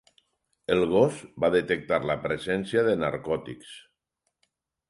El gos va detectar la presència de narcòtics.